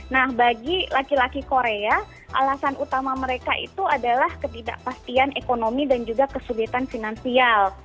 nah bagi laki laki korea alasan utama mereka itu adalah ketidakpastian ekonomi dan juga kesulitan finansial